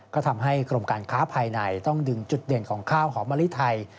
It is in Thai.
ก็ทำให้กรมการค้าภายในต้องดึงจุดเด่นของข้าวหอมมะลิไทย